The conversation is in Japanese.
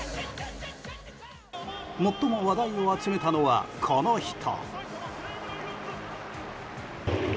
最も話題を集めたのはこの人。